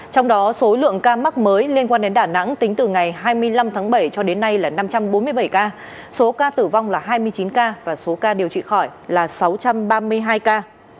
trong đó số lượng ca mắc mới liên quan đến đà nẵng tính từ ngày hai mươi năm tháng bảy cho đến nay là năm trăm bốn mươi bảy ca số ca tử vong là hai mươi chín ca và số ca điều trị khỏi là sáu trăm ba mươi hai ca